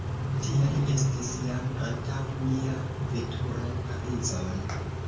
Tia li estis jam antaŭ mia veturo Parizon.